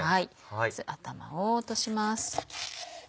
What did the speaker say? まず頭を落とします。